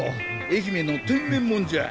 愛媛の天然もんじゃあ。